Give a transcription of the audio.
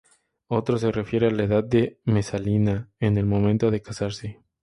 Otro se refiere a la edad de Mesalina en el momento de casarse.